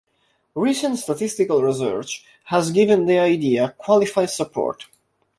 Recent statistical research has given the idea qualified support.